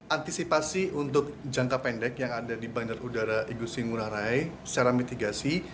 antisipasi untuk jangka pendek yang ada di bandar udara igusi ngurah rai secara mitigasi